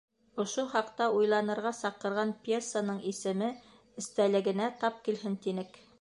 Ошо хаҡта уйланырға саҡырған пьесаның исеме эстәлегенә тап килһен тинек.